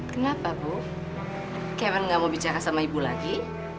kenapa bu karen gak mau bicara sama ibu lagi